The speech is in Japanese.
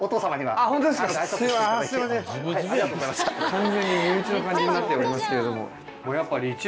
完全に身内の感じになっておりますけれども。